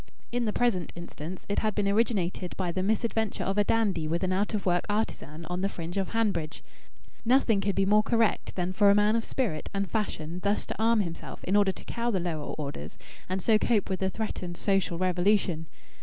In the present instance it had been originated by the misadventure of a dandy with an out of work artisan on the fringe of Hanbridge. Nothing could be more correct than for a man of spirit and fashion thus to arm himself in order to cow the lower orders and so cope with the threatened social revolution.